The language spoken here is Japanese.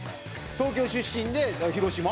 東京出身で広島？